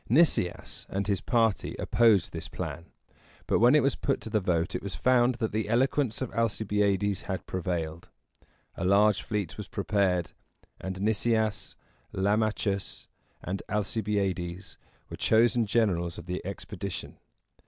Nicias and his party opposed this plan; but when it was put to the vote, it was found that the eloquence of Alcibiades had prevailed. A large fleet was prepared, and Nicias, Lam´a chus, and Alcibiades were chosen generals of the expedition.